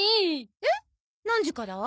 えっ？何時から？